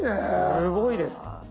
すごいです。